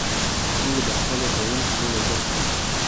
موږ د خپلو ښوونکو ډېر عزت کوو.